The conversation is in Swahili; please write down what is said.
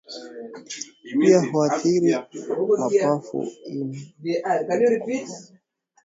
pia huathiri mapafu ini na ubongo kufikia hata kuwa mwendawazimu